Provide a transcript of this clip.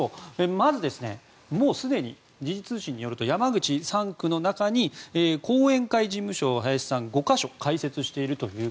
まず、もうすでに時事通信によると山口３区の中に後援会事務所を林さんは５か所開設していると。